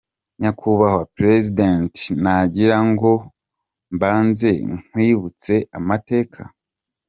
Nyakubahwa président nagira ngo mbanze nkwibutse amateka.